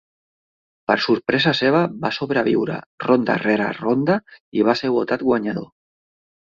Per sorpresa seva, va sobreviure ronda rere ronda i va ser votat guanyador.